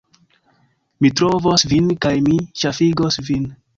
Mi trovos vin, kaj mi ŝafigos vin!